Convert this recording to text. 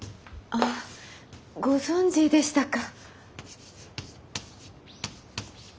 あご存じでしたか。